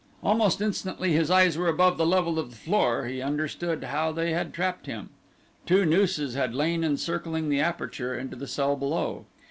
Almost instantly his eyes were above the level of the floor he understood how they had trapped him. Two nooses had lain encircling the aperture into the cell below.